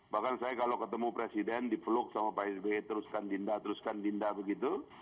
bahkan saya kalau ketemu presiden dipeluk sama pak sby teruskan dinda teruskan dinda begitu